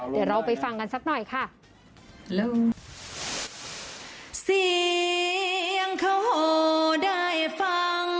เดี๋ยวเราไปฟังกันสักหน่อยค่ะ